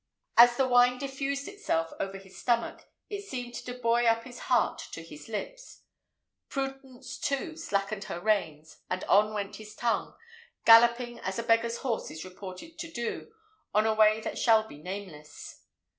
As the wine diffused itself over his stomach, it seemed to buoy up his heart to his lips. Prudence, too, slackened her reins, and on went his tongue, galloping as a beggar's horse is reported to do, on a way that shall be nameless.